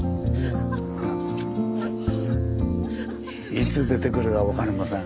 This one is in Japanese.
いつ出てくるか分かりません。